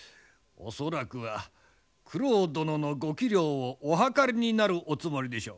恐らくは九郎殿のご器量をおはかりになるおつもりでしょう。